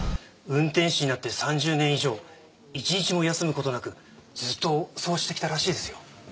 運転士になって３０年以上一日も休む事なくずっとそうしてきたらしいですよ。